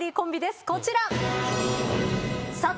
こちら。